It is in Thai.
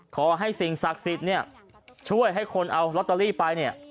ขอให้สิ่งศักดิ์สิทธิ์เนี่ยช่วยให้คนเอาลอตเตอรี่ไปเนี่ย